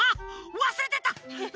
わすれてた！